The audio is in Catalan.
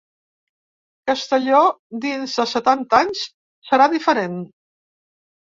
Castelló dins de setanta anys serà diferent.